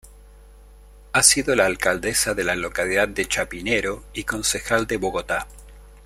Ha sido alcaldesa de la localidad de Chapinero y concejal de Bogotá.